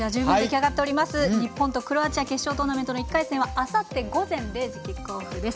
日本とクロアチア決勝トーナメントの１回戦はあさって午前０時キックオフです。